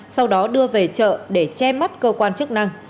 sau đó đưa về chợ để che mắt cơ quan chức năng